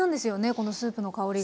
このスープの香りが。